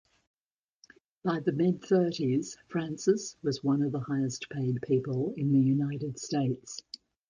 By the mid-thirties, Francis was one of the highest-paid people in the United States.